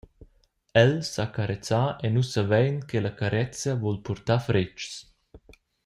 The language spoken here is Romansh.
El sa carezar e nus savein che la carezia vul purtar fretgs.